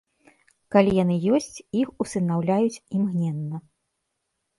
Калі яны ёсць, іх усынаўляюць імгненна.